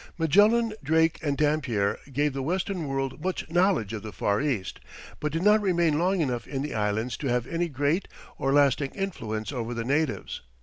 Magellan, Drake and Dampier gave the western world much knowledge of the Far East, but did not remain long enough in the Islands to have any great or lasting influence over the natives.